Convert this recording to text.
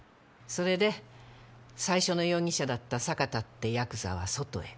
それで最初の容疑者だった坂田ってヤクザは外へ。